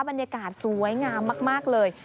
บรรยากาศสวยงามมากเลย